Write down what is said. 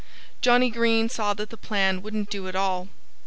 Johnnie Green saw that that plan wouldn't do at all.